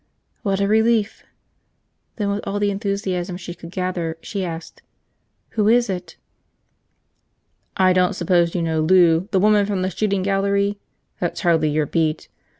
"What a relief!" Then with all the enthusiasm she could gather, she asked: "Who is it?" "I don't suppose you know Lou, the woman from the shooting gallery? That's hardly your beat.